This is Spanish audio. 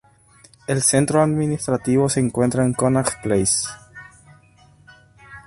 El centro administrativo se encuentra en Connaught Place.